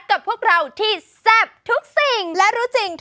ก็รู้ดีว่าคงไม่ใช่ฉัน